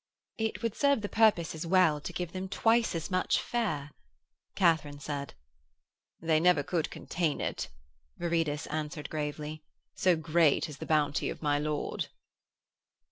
'It would serve the purpose as well to give them twice as much fare,' Katharine said. 'They could never contain it,' Viridus answered gravely, 'so great is the bounty of my lord.'